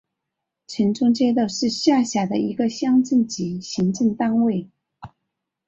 城中街道是下辖的一个乡镇级行政单位。